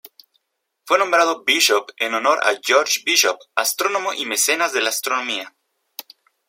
Fue nombrado Bishop en honor a George Bishop astrónomo y mecenas de la astronomía.